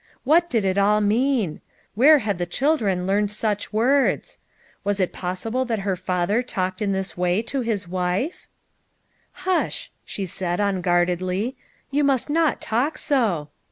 What did it all mean? Where had the children learned BEGINNING HER LIFE. 39 such words ? "Was it possible that her father talked in this way to his wife? " Hush !" she said unguardedly, " you must not talk so."